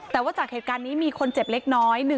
แต่ว่าจากเหตุการณ์นี้มีคนเจ็บเล็กน้อย